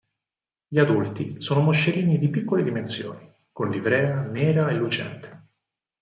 Gli adulti sono moscerini di piccole dimensioni, con livrea nera e lucente.